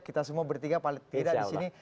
kita semua bertiga paling tidak di sini